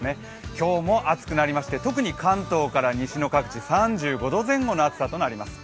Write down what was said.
今日も暑くなりまして、特に関東から西の各地、３５度前後の暑さとなります。